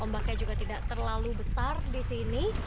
ombaknya juga tidak terlalu besar di sini